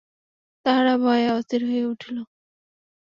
তাহারা ভয়ে অস্থির হইয়া উঠিল।